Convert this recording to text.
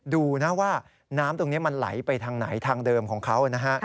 ดูนะว่าน้ำตรงนี้มันไหลไปทางไหนทางเดิมของเขานะฮะ